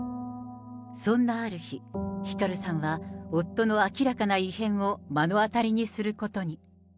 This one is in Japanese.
そんなある日、ひかるさんは夫の明らかな異変を目の当たりにすることに。